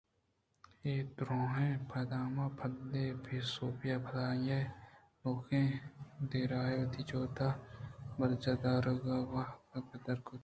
اے دُرٛاہیں پدماں پد ےءِ بے سوبیاں پد آئی ءَ نوکیں دابےءَ وتی جہد برجاہ دارگ ءِ واہگ پدّر کُت